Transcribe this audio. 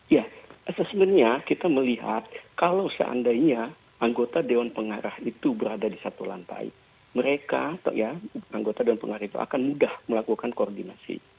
ya assessmentnya kita melihat kalau seandainya anggota dewan pengarah itu berada di satu lantai mereka anggota dewan pengarah itu akan mudah melakukan koordinasi